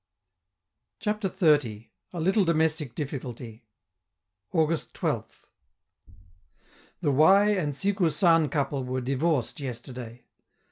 CHAPTER XXX. A LITTLE DOMESTIC DIFFICULTY August 12th. The Y and Sikou San couple were divorced yesterday.